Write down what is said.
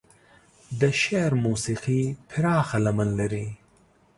د شعر موسيقي پراخه لمن لري.